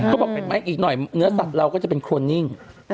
บอกอีกหน่อยเนื้อสัตว์เราก็จะเป็นโครนนิ่ง